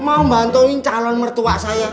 mau bantuin calon mertua saya